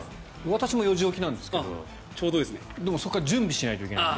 私も４時起きなんですけどでも、そこから準備しないといけないので。